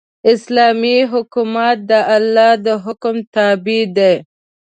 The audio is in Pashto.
اسلامي حکومت د الله د حکم تابع دی.